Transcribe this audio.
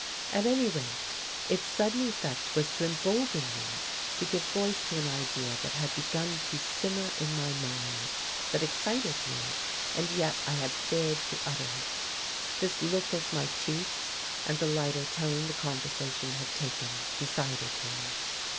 At any rate, its sudden effect was to embolden me to give voice to an idea that had begun to simmer in my mind, that excited me, and yet I had feared to utter it. This look of my chief's, and the lighter tone the conversation had taken decided me.